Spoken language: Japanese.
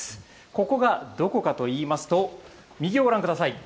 ここがどこかといいますと、右をご覧ください。